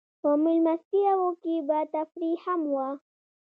په مېلمستیاوو کې به تفریح هم وه.